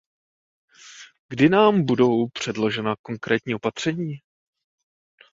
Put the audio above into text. Kdy nám budou předložena konkrétní opatření?